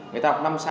người ta đọc năm sao